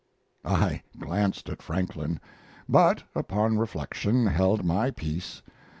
I glanced at Franklin, but... upon reflection, held my peace.